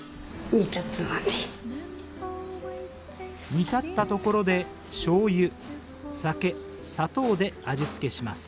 煮立ったところでしょうゆ酒砂糖で味付けします。